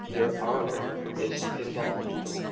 Your honour is involved.